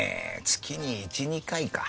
月に１２回か。